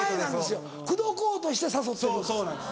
口説こうとして誘ってるんです。